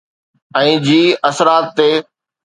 ۽ جي اثرات تي